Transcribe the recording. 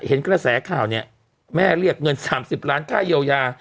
เห็นกระแสข่าวเนี่ยแม่เรียกเงิน๓๐ล้านค่าเยียวยา